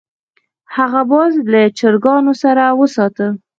هغه باز له چرګانو سره وساته.